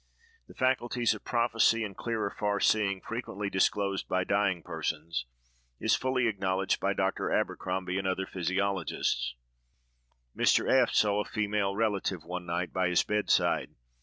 The faculties of prophecy and clear or far seeing, frequently disclosed by dying persons, is fully acknowledged by Dr. Abercrombie and other physiologists. Mr. F—— saw a female relative, one night, by his bedside.